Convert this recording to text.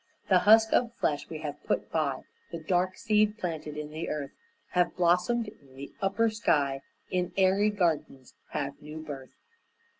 The husk of flesh we have put by; The dark seeds planted in the earth Have blossomed in the upper sky, In airy gardens have new birth."